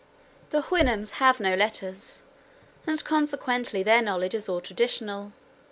The Houyhnhnms have no letters, and consequently their knowledge is all traditional.